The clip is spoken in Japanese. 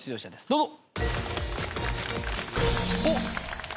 どうぞ。